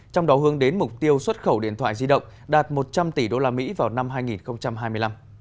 trong đó hướng đến mục tiêu xuất khẩu điện thoại di động đạt một trăm linh tỷ usd vào năm hai nghìn hai mươi năm